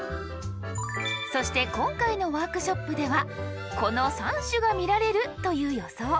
そして今回のワークショップではこの３種が見られるという予想。